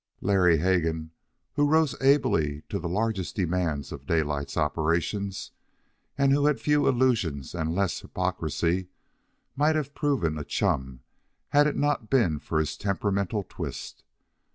Larry Hegan, who rose ably to the largest demands of Daylight's operations and who had few illusions and less hypocrisy, might have proved a chum had it not been for his temperamental twist.